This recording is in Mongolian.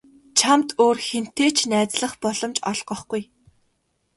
Чамд өөр хэнтэй ч найзлах боломж олгохгүй.